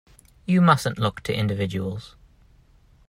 You mustn't look to individuals.